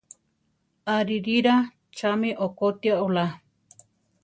Aririra! chami okotia olá.